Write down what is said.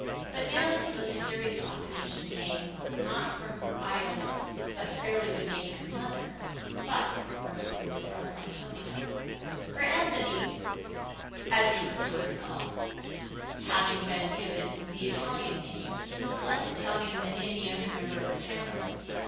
But Nan's most serious opposition came not from her idle but fairly good natured mother but from her older brother Antonio, or Anthony as he preferred to be called. Having been given the Italian name he was less Italian than any other member of the family.